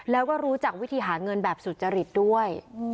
แล้วก็รู้จักวิธีหาเงินแบบสุจริตด้วย